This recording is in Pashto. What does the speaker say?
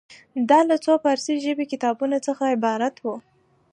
دا له څو فارسي ژبې کتابونو څخه عبارت وه.